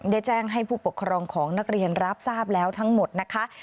ได้แจ้งให้ผู้ปกครองของนักเรียนรับทราบแล้วทั้งหมดนะคะ